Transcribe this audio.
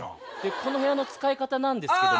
この部屋の使い方なんですけども。